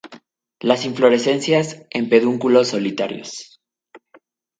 Las inflorescencias en pedúnculos solitarios.